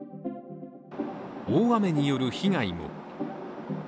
大雨による被害も。